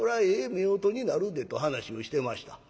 夫婦になるでと話をしてました。